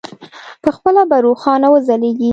پخپله به روښانه وځلېږي.